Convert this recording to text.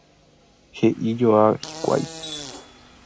he'ijoa hikuái